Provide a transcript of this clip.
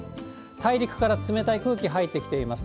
大陸から冷たい空気入ってきています。